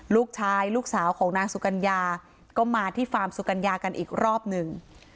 ลูกสาวลูกสาวของนางสุกัญญาก็มาที่ฟาร์มสุกัญญากันอีกรอบหนึ่ง